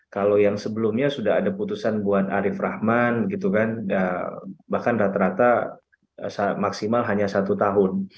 kalau yang sebelumnya sudah ada putusan buat arief rahman bahkan rata rata maksimal hanya satu tahun